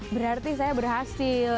berarti saya berhasil